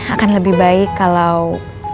akan lebih baik kalau